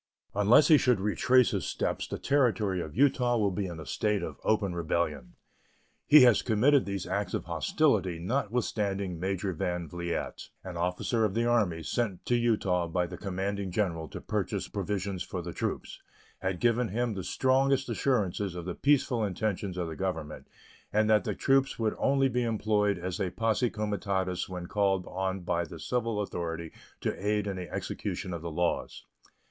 Unless he should retrace his steps the Territory of Utah will be in a state of open rebellion. He has committed these acts of hostility notwithstanding Major Van Vliet, an officer of the Army, sent to Utah by the Commanding General to purchase provisions for the troops, had given him the strongest assurances of the peaceful intentions of the Government, and that the troops would only be employed as a posse comitatus when called on by the civil authority to aid in the execution of the laws.